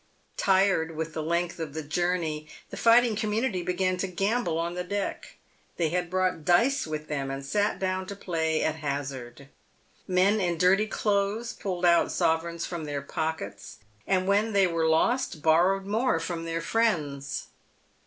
Tired with the length of the journey, the fighting community began to gamble on the deck. They had brought dice with them, and sat down to play at hazard. Men in dirty clothes pulled" out sovereigns from their pockets, and when they were lost borrowed more from their friends.